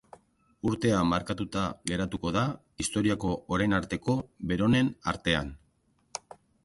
Urtea markatuta geratuko da historiako orain arteko beroenen artean.